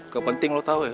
gak penting lo tau ya